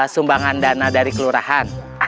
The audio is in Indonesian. sumbangan dana dari kelurahan